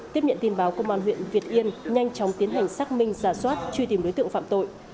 tiếp nhận tin báo công an huyện việt yên nhanh chóng tiến hành xác minh giả soát truy tìm đối tượng phạm tội